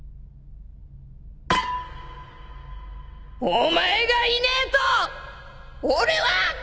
お前がいねえと俺は！